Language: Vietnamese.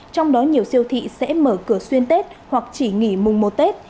trong đó nhiều siêu thị sẽ mở cửa xuyên tết hoặc chỉ nghỉ mùng một tết